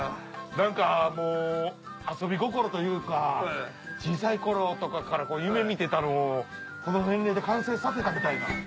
何かもう遊び心というか小さい頃とかから夢見てたのをこの年齢で完成させたみたいな。